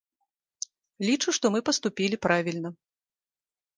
Лічу, што мы паступілі правільна.